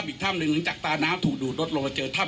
พรุ่งนี้ผมจะถล่มถ้ำตรงนี้ให้เสร็คปีทราย